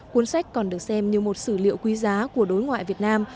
cuốn sách còn được xem như một sử liệu quý giá của đối ngoại việt nam